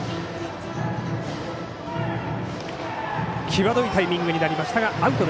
際どいタイミングになりましたがアウト。